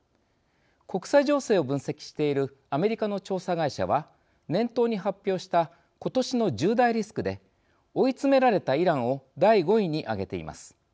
国際情勢を分析しているアメリカの調査会社は年頭に発表した今年の１０大リスクで追い詰められたイランを第５位に挙げています。